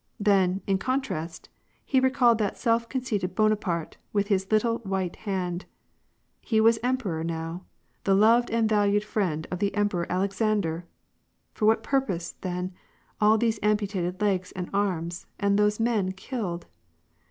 Then, in con trast, he recalled that self conceited Bonaparte, with his little, white hand : he was emperor now, the loved and valued friend of the Emperor Alexander ! For what purpose, then, all those amputated legs and arms, and those men killed